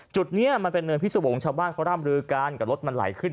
จุดนี้มันเป็นเนินพิษวงศ์ชาวบ้านเขาร่ำลือกันกับรถมันไหลขึ้น